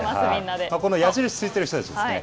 この矢印ついている人たちですね。